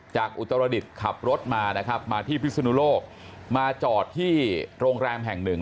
จากอุตรดิษฐ์ขับรถมาที่พิศนุโลกมาจอดที่โรงแรมแห่ง๑